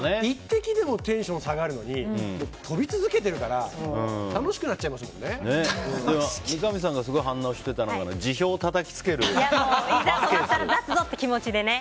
１滴でもテンション下がるのに飛び続けてるから三上さんがすごい反応してたのがいざとなったら出すぞっていう気持ちでね